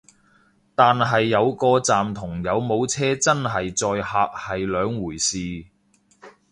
但係有個站同有冇車真係載客係兩回事